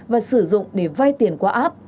và sử dụng để vai tiền qua app